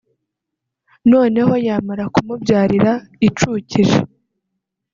noneho yamara kumubyarira icukije